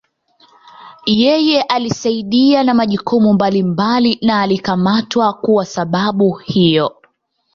Yeye alisaidia na majukumu mbalimbali na alikamatwa kuwa sababu hiyo.